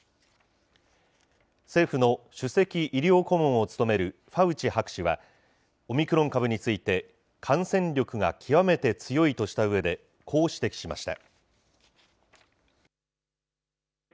政府の首席医療顧問を務めるファウチ博士は、オミクロン株について、感染力が極めて強いとしたうえで、こう指摘しました。